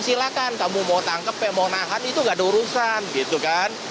silakan kamu mau tangkep mau nahan itu nggak ada urusan